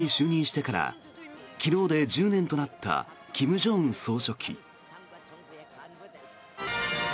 朝鮮労働党のトップに就任してから昨日で１０年となった金正恩総書記。